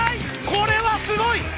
これはすごい！